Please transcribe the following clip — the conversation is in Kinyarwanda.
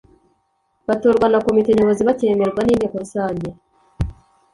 Batorwa na Komite Nyobozi bakemerwa n’Inteko Rusange